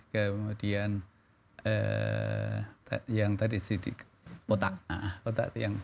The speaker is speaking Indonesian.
kemudian yang tadi sidik otak